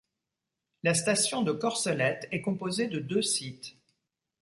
La station de Corcelette est composée de deux sites.